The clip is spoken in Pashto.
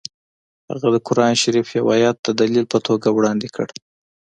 هغه د قران شریف یو ایت د دلیل په توګه وړاندې کړ